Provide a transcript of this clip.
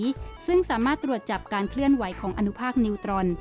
ซึ่งสามารถตรวจจับการเคลื่อนไหวของอนุภาคนิวตรอน